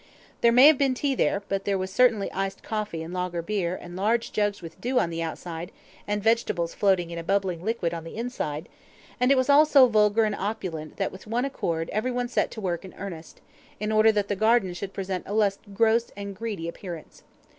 There may have been tea there, but there was certainly iced coffee and Lager beer and large jugs with dew on the outside and vegetables floating in a bubbling liquid in the inside, and it was all so vulgar and opulent that with one accord everyone set to work in earnest, in order that the garden should present a less gross and greedy appearance.